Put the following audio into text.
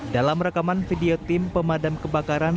dalam rekaman video tim pemadam kebakaran